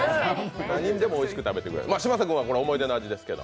何でもおいしく食べてくれる。